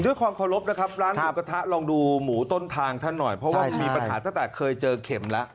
ด้วยความเคารพนะครับร้านหมูกระทะลองดูหมูต้นทางท่านหน่อยเพราะว่ามันมีปัญหาตั้งแต่เคยเจอเข็มแล้ว